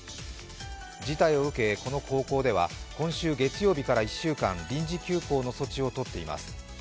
事態を受け、この高校では今週月曜日から１週間臨時休校の措置を取っています。